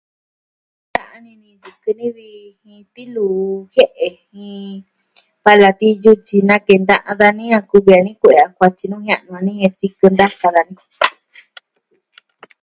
Ta'an ini ni sikɨ ni vi jin tiluu jie'e jin palatiyu tyi nakenta'an dani a kuvi dani kue'e a kuatyi nuu jia'nu dani jen sikɨ ntaka dani